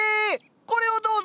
これをどうぞ！